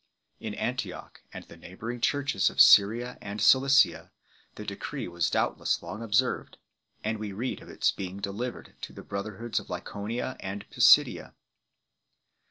In Antioch and the neighbouring churches of Syria and Cilicia the decree was doubtless long observed, and we read of its being delivered to the brotherhoods of Lycaonia and Pisidia 3 .